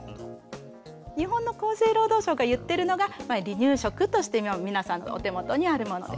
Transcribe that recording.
日本の厚生労働省が言ってるのが離乳食として皆さんのお手元にあるもので。